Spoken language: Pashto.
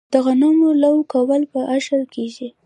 د غنمو لو کول په اشر کیږي.